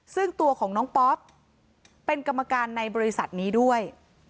ซึ่งตัวของน้องป๊อปเป็นกรรมการในบริษัทนี้ด้วย